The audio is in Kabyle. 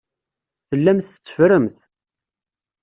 Tellamt tetteffremt.